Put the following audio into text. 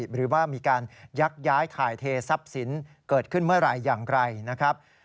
หรือว่ามีการยักย้ายถ่ายเททรัพย์สินเกิดขึ้นเมื่อไหร่อย่างไรนะครับ